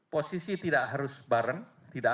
posisi tidak harus bareng